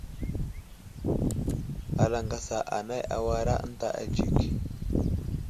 Alaŋgasa anay awara ənta adzik.